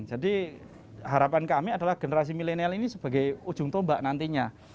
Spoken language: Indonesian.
jadi harapan kami adalah generasi milenial ini sebagai ujung tombak nantinya